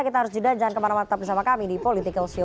kita harus juga jangan kemana mana tetap bersama kami di politikalshow